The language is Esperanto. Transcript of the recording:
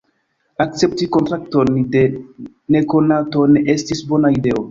"Akcepti kontrakton de nekonato ne estis bona ideo!"